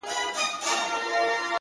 بدرګه را سره ستوري وړمهیاره،